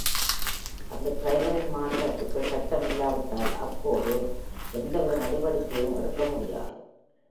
அந்த டிரைவரின்' மாநிலத்துக்கு சட்டம் இல்லாவிட்டால், அப்போது எந்தவித நடவடிக்கையையும் எடுக்கமுடியாது.